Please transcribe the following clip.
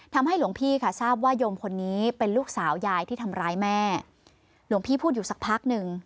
หลวงพี่ค่ะทราบว่าโยมคนนี้เป็นลูกสาวยายที่ทำร้ายแม่หลวงพี่พูดอยู่สักพักหนึ่ง